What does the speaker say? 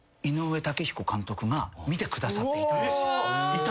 ・いた？